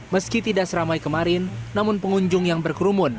meski tidak seramai kemarin namun pengunjung yang berkerumun